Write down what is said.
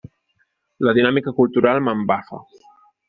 La dinàmica cultural m'embafa.